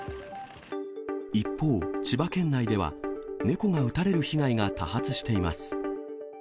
一方、千葉県内では、猫が撃たれる被害が多発しています。